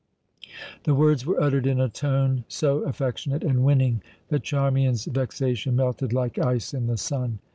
The words were uttered in a tone so affectionate and winning, that Charmian's vexation melted like ice in the sun.